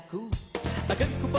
akan kupamilkan di sekolah di rumah